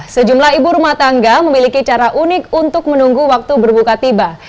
sejumlah ibu rumah tangga memiliki cara unik untuk menunggu waktu berbuka tiba